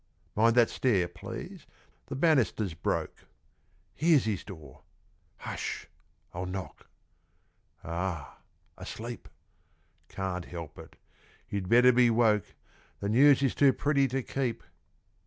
Mind that stair, please the banister's broke. Here's his door; hush, I'll knock. Ah! asleep. Can't help it you'd better be woke; The news is too pretty to keep.